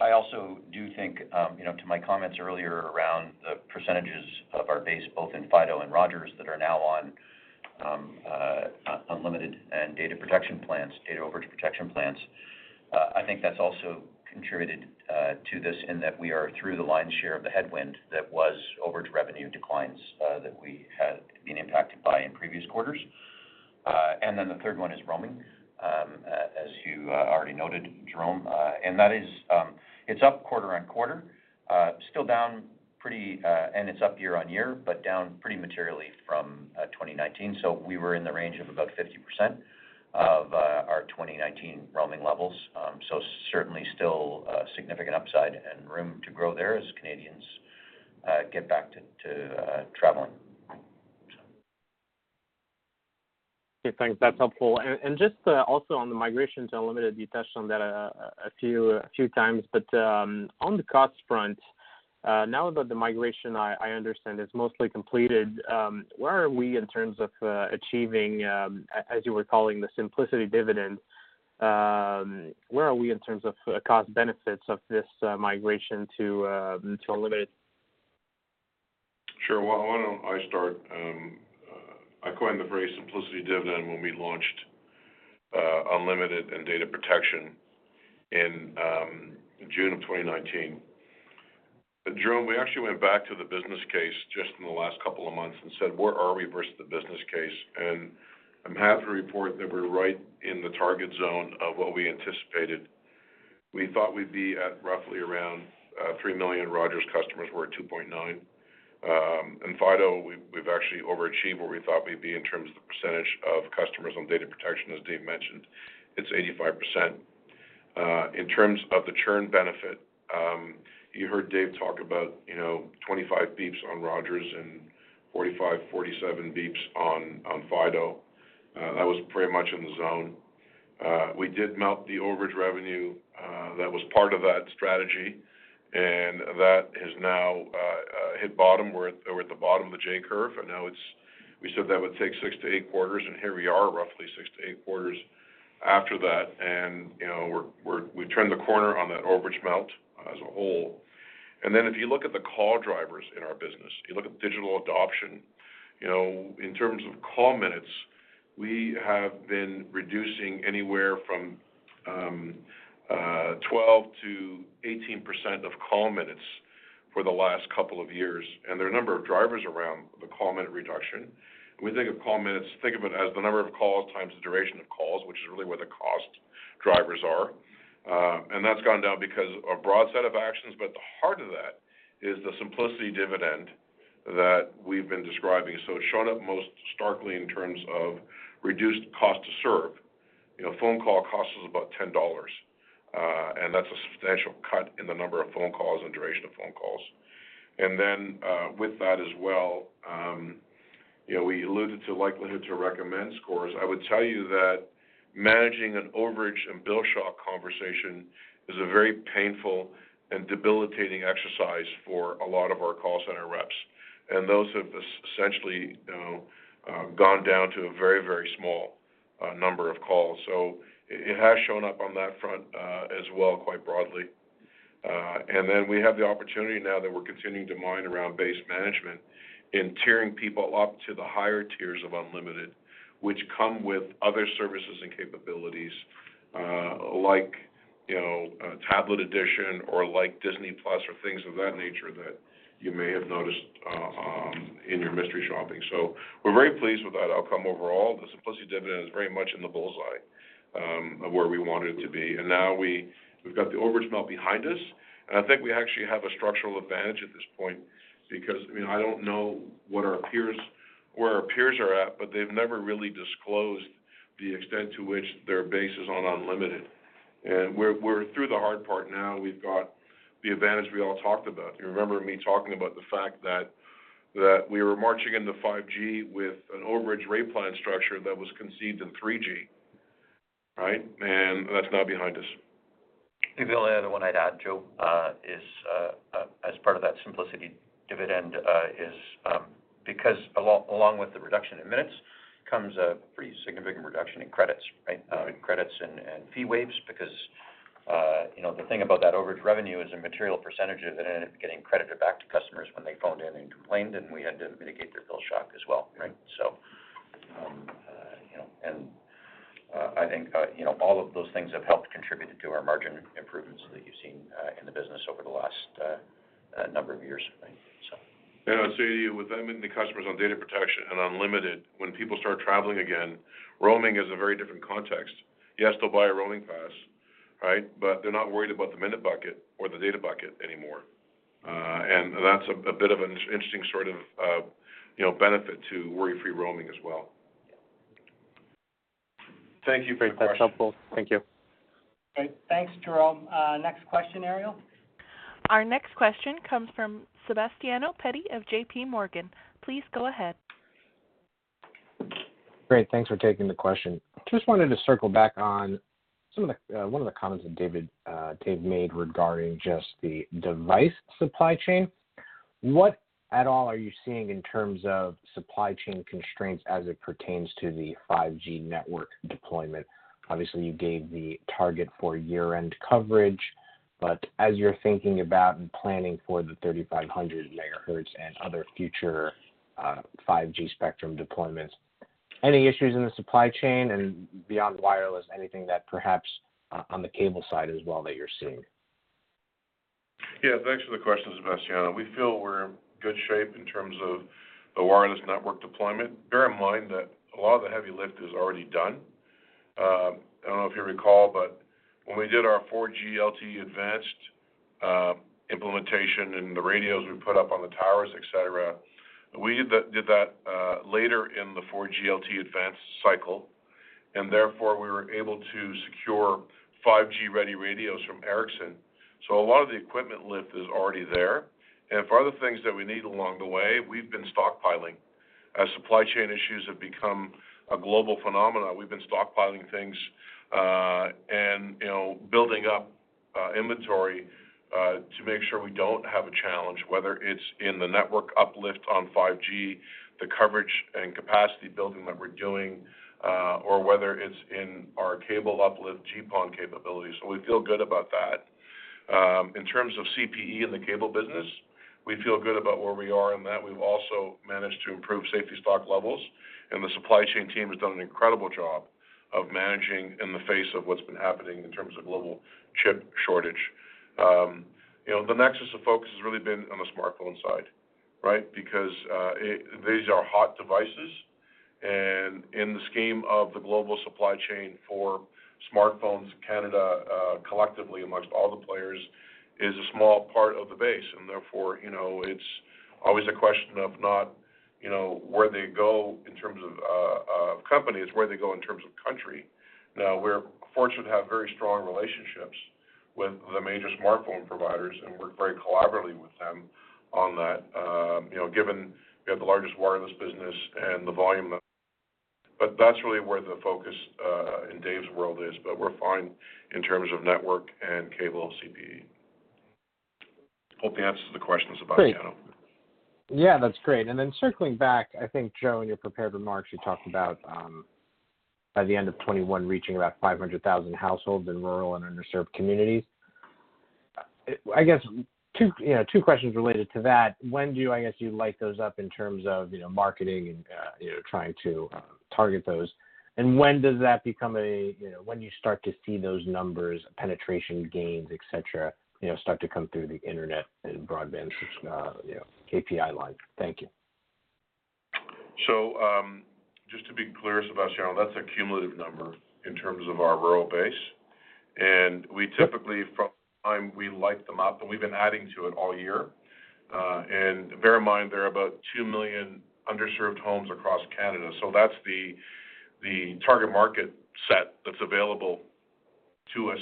F: I also do think, to my comments earlier around the percentages of our base, both in Fido and Rogers Communications, that are now on unlimited and data protection plans, data overage protection plans. I think that's also contributed to this in that we are through the lion's share of the headwind that was overage revenue declines that we had been impacted by in previous quarters. The third one is roaming, as you already noted, Jérome Dubreuil. That is, it's up quarter-over-quarter. It's up year-over-year, but down pretty materially from 2019. We were in the range of about 50% of our 2019 roaming levels. Certainly still a significant upside and room to grow there as Canadians get back to traveling.
J: Okay, thanks. That's helpful. Just also on the migration to unlimited, you touched on that a few times, but on the cost front, now that the migration, I understand, is mostly completed, where are we in terms of achieving, as you were calling, the simplicity dividend? Where are we in terms of cost benefits of this migration to unlimited?
C: Sure. Why don't I start? I coined the phrase Simplicity Dividend when we launched unlimited and Data Protection in June of 2019. Jérome Dubreuil, we actually went back to the business case just in the last couple of months and said, "Where are we versus the business case?" I'm happy to report that we're right in the target zone of what we anticipated. We thought we'd be at roughly around three million Rogers customers. We're at 2.9 milllion. In Fido, we've actually overachieved what we thought we'd be in terms of the percentage of customers on Data Protection, as Dave mentioned. It's 85%. In terms of the churn benefit, you heard Dave talk about 25 basis points on Rogers and 45, 47 basis points on Fido. That was pretty much in the zone. We did melt the overage revenue that was part of that strategy, and that has now hit bottom. We're at the bottom of the J curve, and now we said that would take six to eight quarters, and here we are, roughly six to eight quarters after that. We turned the corner on that overage melt as a whole. If you look at the call drivers in our business, you look at digital adoption. In terms of call minutes, we have been reducing anywhere from 12%-18% of call minutes for the last couple of years. There are a number of drivers around the call minute reduction. When we think of call minutes, think of it as the number of calls times the duration of calls, which is really where the cost drivers are. That's gone down because a broad set of actions, but the heart of that is the simplicity dividend that we've been describing. It's shown up most starkly in terms of reduced cost to serve. A phone call costs us about 10 dollars, and that's a substantial cut in the number of phone calls and duration of phone calls. Then, with that as well, we alluded to likelihood to recommend scores. I would tell you that managing an overage and bill shock conversation is a very painful and debilitating exercise for a lot of our call center reps. Those have essentially gone down to a very, very small number of calls. It has shown up on that front as well, quite broadly. Then we have the opportunity now that we're continuing to mine around base management in tiering people up to the higher tiers of unlimited, which come with other services and capabilities. A tablet edition or like Disney+ or things of that nature that you may have noticed in your mystery shopping. We're very pleased with that outcome overall. The simplicity dividend is very much in the bullseye of where we want it to be. Now we've got the overage melt behind us, and I think we actually have a structural advantage at this point because, I don't know where our peers are at, but they've never really disclosed the extent to which their base is on unlimited. We're through the hard part now. We've got the advantage we all talked about. You remember me talking about the fact that we were marching into 5G with an overage rate plan structure that was conceived in 3G, right? That's now behind us.
F: Maybe the only other one I'd add, Joe, is as part of that simplicity dividend is because along with the reduction in minutes comes a pretty significant reduction in credits, right? In credits and fee waives because the thing about that overage revenue is a material percentage of it ended up getting credited back to customers when they phoned in and complained, and we had to mitigate their bill shock as well, right? I think all of those things have helped contributed to our margin improvements that you've seen in the business over the last number of years, I think.
C: I'd say to you, with them and the customers on data protection and unlimited, when people start traveling again, roaming is a very different context. Yes, they'll buy a roaming pass, right? They're not worried about the minute bucket or the data bucket anymore. That's a bit of an interesting sort of benefit to worry-free roaming as well.
J: Yeah.
C: Thank you for your question.
J: Great. That's helpful. Thank you.
B: Great. Thanks, Jerome. Next question, Ariel.
A: Our next question comes from Sebastiano Petti of JPMorgan. Please go ahead.
K: Great. Thanks for taking the question. Just wanted to circle back on one of the comments that Dave made regarding just the device supply chain. What at all are you seeing in terms of supply chain constraints as it pertains to the 5G network deployment? Obviously, you gave the target for year-end coverage, but as you're thinking about and planning for the 3500 MHz and other future 5G spectrum deployments, any issues in the supply chain? Beyond wireless, anything that perhaps on the cable side as well that you're seeing?
C: Yeah. Thanks for the question, Sebastiano. We feel we're in good shape in terms of the wireless network deployment. Bear in mind that a lot of the heavy lift is already done. I don't know if you recall, but when we did our 4G LTE advanced implementation and the radios we put up on the towers, et cetera, we did that later in the 4G LTE advanced cycle, and therefore, we were able to secure 5G-ready radios from Ericsson. A lot of the equipment lift is already there. For other things that we need along the way, we've been stockpiling. As supply chain issues have become a global phenomenon, we've been stockpiling things and building up inventory to make sure we don't have a challenge, whether it's in the network uplift on 5G, the coverage and capacity building that we're doing, or whether it's in our cable uplift GPON capabilities. We feel good about that. In terms of CPE in the cable business, we feel good about where we are in that. We've also managed to improve safety stock levels, and the supply chain team has done an incredible job of managing in the face of what's been happening in terms of global chip shortage. The nexus of focus has really been on the smartphone side, right? Because these are hot devices, and in the scheme of the global supply chain for smartphones, Canada, collectively amongst all the players, is a small part of the base, and therefore, it's always a question of not where they go in terms of companies, where they go in terms of country. We're fortunate to have very strong relationships with the major smartphone providers, and work very collaboratively with them on that. Given we have the largest wireless business and the volume. That's really where the focus in Dave's world is. We're fine in terms of network and cable CPE. Hope that answers the question, Sebastiano.
K: Great. Yeah, that's great. Circling back, I think, Joe Natale, in your prepared remarks, you talked about by the end of 2021, reaching about 500,000 households in rural and underserved communities. I guess two questions related to that. When do you light those up in terms of marketing and trying to target those? When does that become? When do you start to see those numbers, penetration gains, et cetera, start to come through the internet and broadband KPI line? Thank you.
C: Just to be clear, Sebastiano, that's a cumulative number in terms of our rural base. We typically, from time we light them up, and we've been adding to it all year. Bear in mind, there are about two million underserved homes across Canada. That's the target market set that's available to us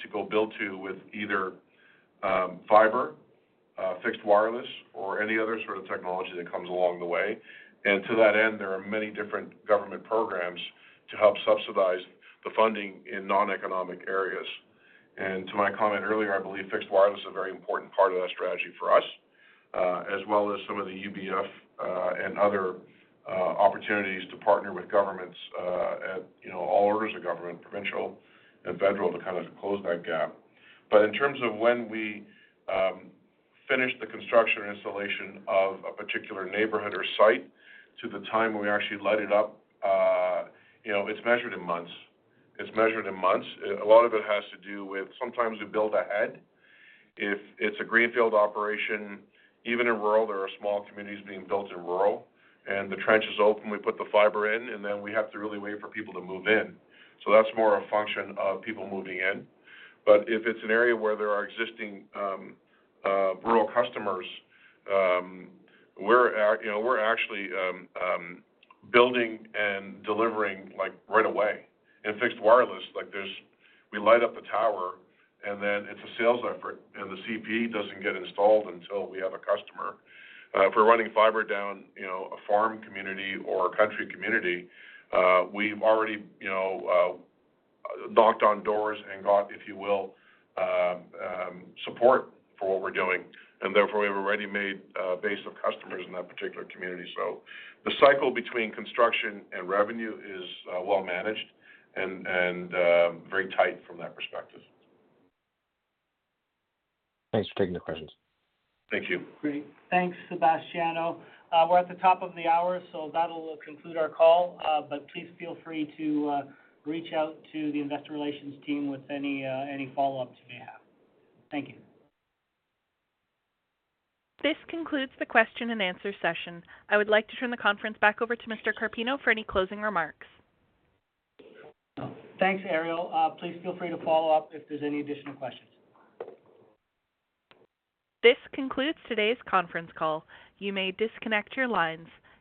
C: to go build to with either fiber, fixed wireless, or any other sort of technology that comes along the way. To that end, there are many different government programs to help subsidize the funding in non-economic areas. To my comment earlier, I believe fixed wireless is a very important part of that strategy for us, as well as some of the UBF and other opportunities to partner with governments at all orders of government, provincial and federal, to close that gap. In terms of when we finish the construction and installation of a particular neighborhood or site to the time when we actually light it up, it's measured in months. A lot of it has to do with sometimes we build ahead. If it's a greenfield operation, even in rural, there are small communities being built in rural, and the trench is open, we put the fiber in, and then we have to really wait for people to move in. That's more a function of people moving in. If it's an area where there are existing rural customers, we're actually building and delivering right away. In fixed wireless, we light up a tower and then it's a sales effort, and the CPE doesn't get installed until we have a customer. If we're running fiber down a farm community or a country community, we've already knocked on doors and got, if you will, support for what we're doing, and therefore, we have a ready-made base of customers in that particular community. The cycle between construction and revenue is well managed and very tight from that perspective.
K: Thanks for taking the questions.
C: Thank you.
B: Great. Thanks, Sebastiano. We're at the top of the hour, so that'll conclude our call. Please feel free to reach out to the investor relations team with any follow-ups you may have. Thank you.
A: This concludes the question and answer session. I would like to turn the conference back over to Paul Carpino for any closing remarks.
B: Thanks, Ariel. Please feel free to follow up if there's any additional questions.
A: This concludes today's conference call. You may disconnect your lines.